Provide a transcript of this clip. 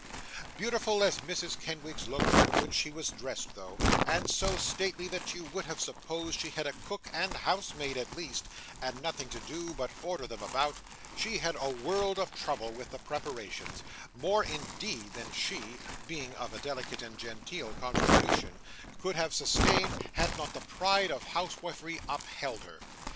Beautiful as Mrs. Kenwigs looked when she was dressed though, and so stately that you would have supposed she had a cook and housemaid at least, and nothing to do but order them about, she had a world of trouble with the preparations; more, indeed, than she, being of a delicate and genteel constitution, could have sustained, had not the pride of housewifery upheld her.